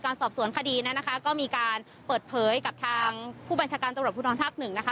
สอบสวนคดีนั้นนะคะก็มีการเปิดเผยกับทางผู้บัญชาการตำรวจภูทรภาคหนึ่งนะคะ